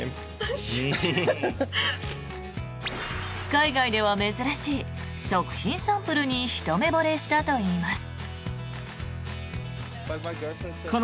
海外では珍しい食品サンプルにひと目ぼれしたといいます。